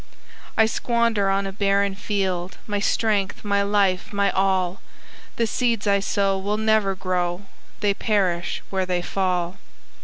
"I squander on a barren field My strength, my life, my all: The seeds I sow will never grow, They perish where they fall."